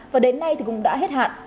và đến nay cũng đã hết hạn